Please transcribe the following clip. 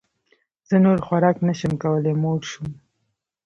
زه نور خوراک نه شم کولی موړ شوم